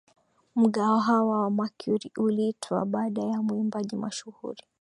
Mgahawa wa Mercury uliitwa baada ya mwimbaji mashuhuri